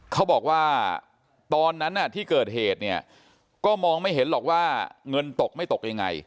เขาบอกว่าตอนนั้นที่เกิดเหตุเนี่ยก็มองไม่เห็นหรอกว่าเงินตกไม่ตกยังไง